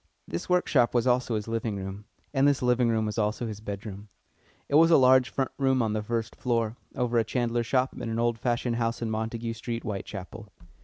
This workshop was also his living room, and this living room was also his bedroom. It was a large front room on the first floor, over a chandler's shop in an old fashioned house in Montague Street, Whitechapel.